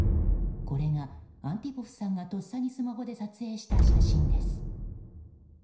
これがアンティポフさんがとっさにスマホで撮影した写真です。